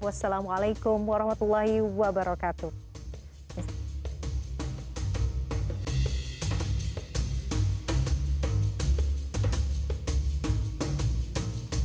wassalamualaikum warahmatullahi wabarakatuh